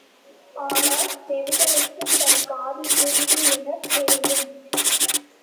ஆனால் செவிடனுக்குத் தன் காது செவிடு எனத் தெரியும்.